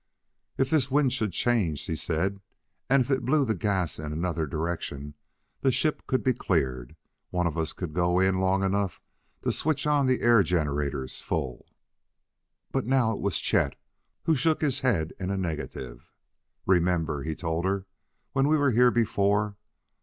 "If this wind should change," she said, "and if it blew the gas in another direction, the ship could be cleared. One of us could go in long enough to switch on the air generators full." But now it was Chet who shook his head in a negative. "Remember," he told her, "when we were here before?